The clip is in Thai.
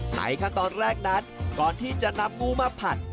ในขั้นตอนแรกนั้นก่อนที่จะนำงูมาผัด